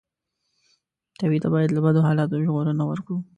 ټپي ته باید له بدو حالاتو ژغورنه ورکړو.